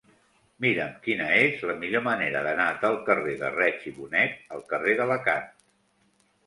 Mira'm quina és la millor manera d'anar del carrer de Reig i Bonet al carrer d'Alacant.